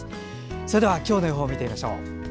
それでは今日の予報を見てみましょう。